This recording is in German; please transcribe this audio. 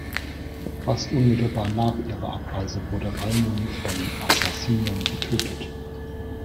Fast unmittelbar nach ihrer Abreise wurde Raimund von Assassinen getötet.